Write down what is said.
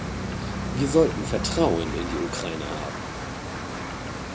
Wir sollten Vertrauen in die Ukraine haben.